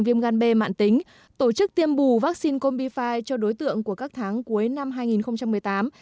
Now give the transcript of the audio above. viêm gan b mạn tính tổ chức tiêm bù vaccine combi năm cho đối tượng của các tháng cuối năm hai nghìn một mươi tám